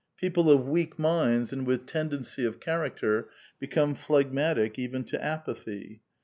People of weak minds and with tendency of character become phleg matic even to apathy.